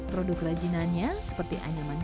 produk kerajinannya seperti anyaman